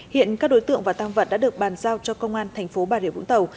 hiện các đối tượng và tam vật đã được bàn giao cho công an thành phố bà rịa vũng tàu